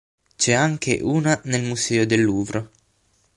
C'è anche una nel Museo del Louvre.